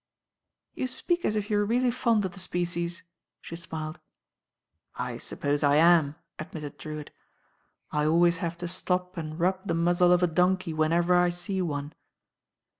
"You speak as if you were really fond of the species," she smiled. "I suppose I am," admitted Drewitt. "I always have to stop and rub the muzzle of a donkey when ever I see one."